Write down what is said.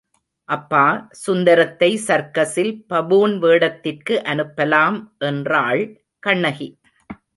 அப்பா, சுந்தரத்தை சர்க்கசில் பபூன் வேடத்திற்கு அனுப்பலாம் என்றாள் கண்ணகி.